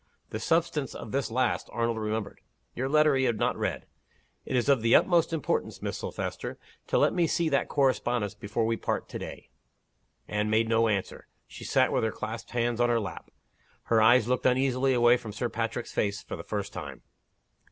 The substance of this last Arnold remembered. Your letter he had not read. It is of the utmost importance, Miss Silvester, to let me see that correspondence before we part to day." Anne made no answer. She sat with her clasped hands on her lap. Her eyes looked uneasily away from Sir Patrick's face, for the first time.